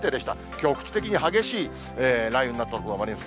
局地的に激しい雷雨になった所もあります。